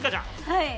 はい。